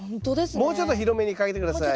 もうちょっと広めにかけて下さい。